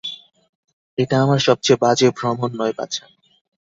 এটা আমার সবচেয়ে বাজে ভ্রমণ নয়, বাছা।